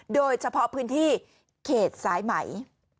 โดยเฉพาะพื้นที่เขตสายไหม